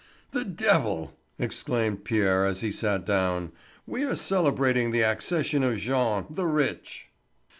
"The devil!" exclaimed Pierre as he sat down. "We are celebrating the accession of Jean the rich."